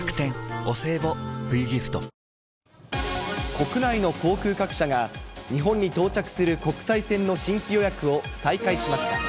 国内の航空各社が、日本に到着する国際線の新規予約を再開しました。